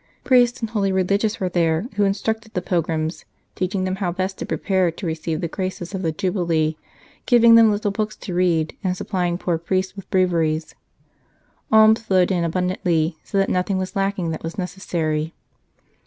Priests and holy religious were there, who instructed the pilgrims, teaching them how best to prepare to receive the graces of the Jubilee, giving them little books to read, and supplying poor priests with breviaries. 130 The Jubilee of 1575 .... Alms flowed in abundantly, so that nothing was lacking that was necessary.